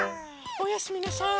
おやすみなさい。